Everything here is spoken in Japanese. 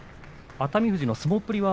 熱海富士の相撲っぷり